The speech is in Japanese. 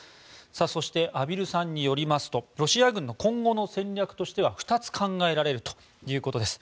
そして、畔蒜さんによりますとロシア軍の今後の戦略としては２つ考えられるということです。